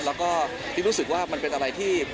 แล้วก็พี่รู้สึกว่ามันเป็นอะไรที่